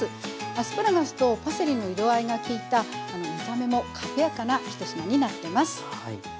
アスパラガスとパセリの色合いがきいた見た目も派手やかな一品になってます。